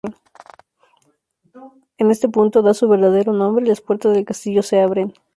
En este punto da su verdadero nombre y las puertas del castillo se abren.